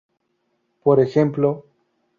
Por ejemplo: 廸.